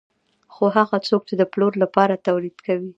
خو هغه څوک چې د پلور لپاره تولید کوي